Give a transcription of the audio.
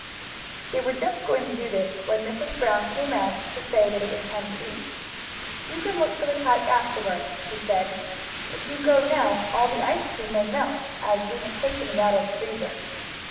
They were just going to do this when Mrs. Brown came out to say that it was time to eat. "You can look for the kite, afterward," she said; "if you go now all the ice cream may melt, as we have taken it out of the freezer."